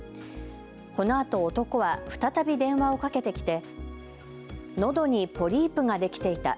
このあと男は再び電話をかけてきてのどにポリープができていた。